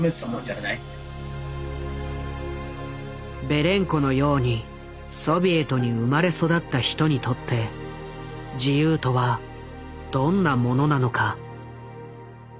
ベレンコのようにソビエトに生まれ育った人にとって自由とはどんなものなのか。